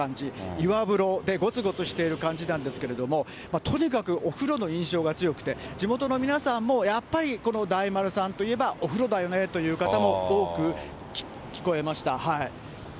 岩風呂でごつごつしている感じなんですけれども、とにかくお風呂の印象が強くて、地元の皆さんも、やっぱりこの大丸さんといえばお風呂だよねという方も多く聞こえました。